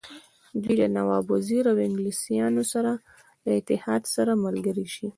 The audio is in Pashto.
دوی له نواب وزیر او انګلیسیانو له اتحاد سره ملګري شي.